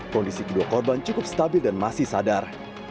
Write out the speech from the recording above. kondisi kedua korban cukup stabil dan masih sadar